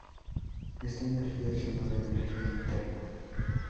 Esta energía es llamada 'energía interna'.